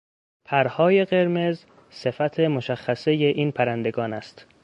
پرهای قرمز صفت مشخصهی این پرندگان است.